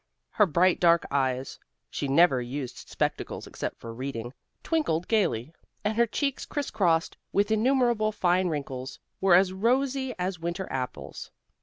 Her bright dark eyes she never used spectacles except for reading twinkled gaily. And her cheeks crisscrossed with innumerable fine wrinkles, were as rosy as winter apples.